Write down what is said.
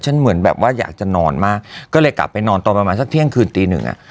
เหมือนแบบว่าอยากจะนอนมากก็เลยกลับไปนอนตอนประมาณสักเที่ยงคืนตีหนึ่งอ่ะ